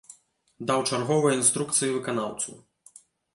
Даў чарговыя інструкцыі выканаўцу.